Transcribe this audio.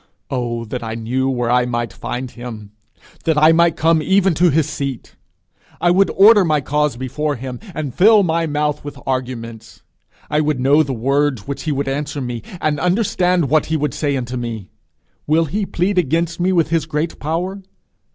'Oh that I knew where I might find him! that I might come even to his seat! I would order my cause before him, and fill my mouth with arguments. I would know the words which he would answer me, and understand what he would say unto me. Will he plead against me with his great power?